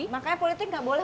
makanya politik enggak boleh